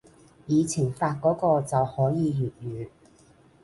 以前發個個就可以粵語